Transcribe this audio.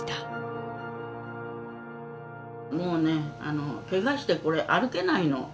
「もうねケガしてこれ歩けないの。